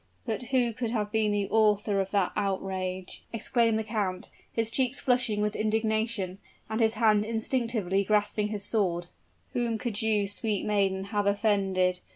"But who could have been the author of that outrage?" exclaimed the count, his cheeks flushing with indignation, and his hand instinctively grasping his sword; "whom could you, sweet maiden, have offended?